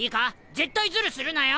絶対ずるするなよ！